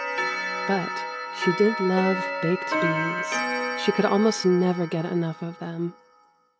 But she did love baked beans. She could almost never get enough of them.